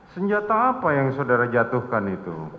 senjata apa yang saudara jatuhkan itu